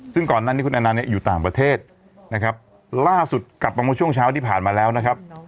ซึ่งก่อนหน้านี้คุณแอนันเนี่ยอยู่ต่างประเทศนะครับล่าสุดกลับมาเมื่อช่วงเช้าที่ผ่านมาแล้วนะครับ